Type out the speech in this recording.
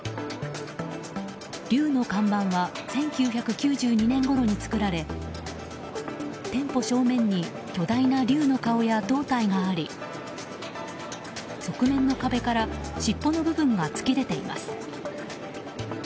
龍の看板は１９９２年ごろに作られ店舗正面に巨大な龍の顔や胴体があり側面の壁から尻尾の部分が突き出ています。